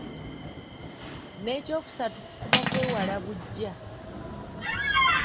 N’ekyokusatu kufuba kwewala buggya.